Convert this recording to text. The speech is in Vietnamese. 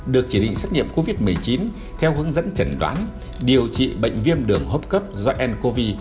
được chỉ định xét nghiệm covid một mươi chín theo hướng dẫn chẩn đoán điều trị bệnh viêm đường hô hấp cấp do ncov